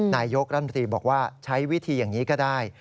นายกรัฐมนตรีบอกว่าใช้วิธีอย่างนี้ก็ได้